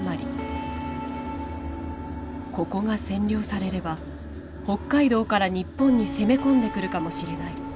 ここが占領されれば北海道から日本に攻め込んでくるかもしれない。